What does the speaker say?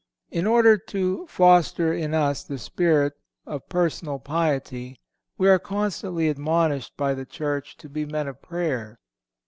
In order to foster in us the spirit of personal piety, we are constantly admonished by the Church to be men of prayer.